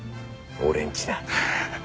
俺んちだ。